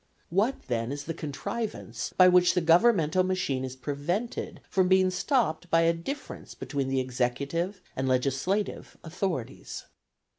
What, then, is the contrivance by which the governmental machine is prevented from being stopped by a difference between the executive and legislative authorities?